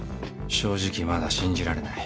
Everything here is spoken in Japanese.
正直まだ信じられない。